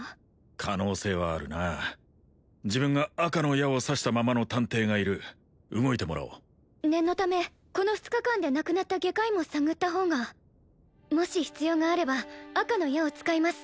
可能性はあるな自分が赤の矢を刺したままの探偵がいる動いてもらおう念のためこの２日間で亡くなった外科医も探った方がもし必要があれば赤の矢を使います